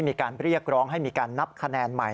มีการเรียกร้องให้มีการนับคะแนนใหม่